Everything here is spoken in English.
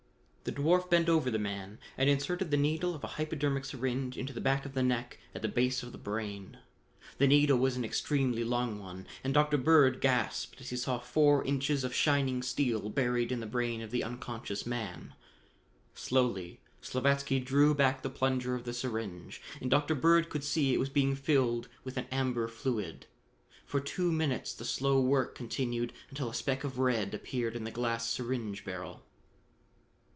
The dwarf bent over the man and inserted the needle of a hypodermic syringe into the back of the neck at the base of the brain. The needle was an extremely long one, and Dr. Bird gasped as he saw four inches of shining steel buried in the brain of the unconscious man. Slowly Slavatsky drew back the plunger of the syringe and Dr. Bird could see it was being filled with an amber fluid. For two minutes the slow work continued, until a speck of red appeared in the glass syringe barrel.